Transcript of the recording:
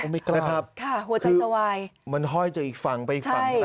อมิกราศค่ะหัวใจสวายคือมันห้อยจากอีกฝั่งไปอีกฝั่งนะ